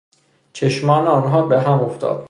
چشمان آنها به هم افتاد.